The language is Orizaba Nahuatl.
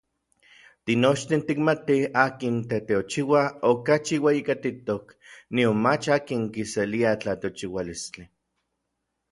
Tinochtin tikmatij akin teteochiua okachi ueyijkatitok nionmach akin kiselia tlateochiualistli.